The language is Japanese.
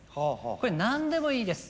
これ何でもいいです。